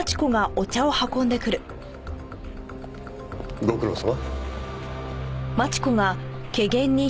ご苦労さま。